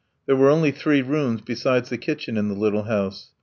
There were only three rooms besides the kitchen in the little house.